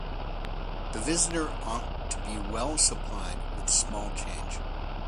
The visitor ought to be well supplied with small change.